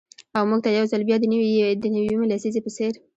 او مـوږ تـه يـو ځـل بـيا د نـوي يمـې لسـيزې پـه څـېر.